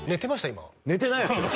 今寝てないですよ